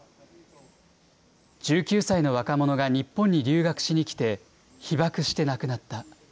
１９歳の若者が日本に留学しに来て被爆して亡くなった。